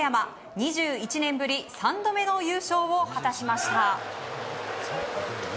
２１年ぶり３度目の優勝を果たしました。